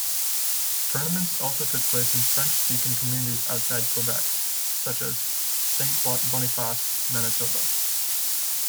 Tournaments also took place in French-speaking communities outside Quebec, such as Saint Boniface, Manitoba.